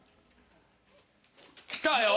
来たよ！